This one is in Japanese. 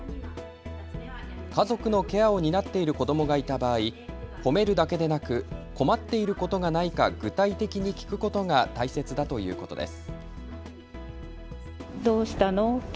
家族のケアを担っている子どもがいた場合ほめるだけでなく困っていることがないか具体的に聞くことが大切だということです。